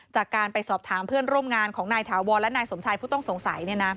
จากการไปสอบถามเพื่อนร่วมงานของนายถาวรและนายสมชายผู้ต้องสงสัย